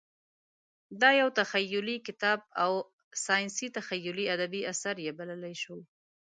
دا یو تخیلي کتاب و او ساینسي تخیلي ادبي اثر یې بللی شو.